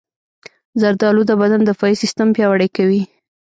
زردالو د بدن دفاعي سیستم پیاوړی کوي.